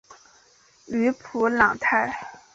吕普朗泰。